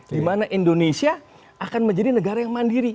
dimana indonesia akan menjadi negara yang mandiri